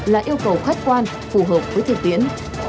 là yêu cầu khách quan phù hợp với thực tiễn